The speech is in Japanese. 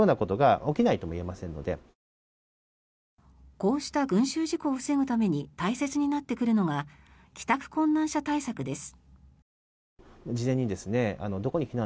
こうした群衆事故を防ぐために大切になってくるのが帰宅困難者対策です。